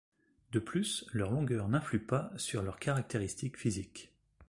De plus, leur longueur n'influe pas sur leurs caractéristiques physiques.